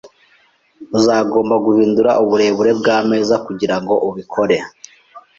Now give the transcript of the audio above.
Uzagomba guhindura uburebure bwameza kugirango bikore.